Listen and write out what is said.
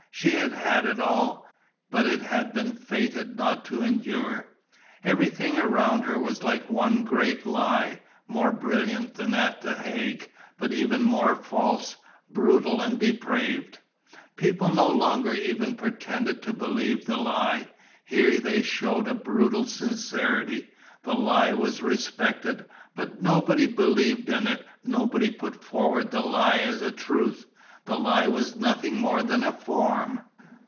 She had had it all; but it had been fated not to endure. Everything around her was like one great lie, more brilliant than at the Hague, but even more false, brutal and depraved. People no longer even pretended to believe the lie: here they showed a brutal sincerity. The lie was respected, but nobody believed in it, nobody put forward the lie as a truth; the lie was nothing more than a form.